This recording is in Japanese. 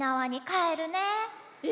え